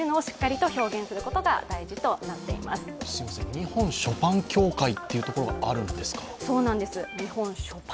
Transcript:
日本ショパン協会というところがあるんですか。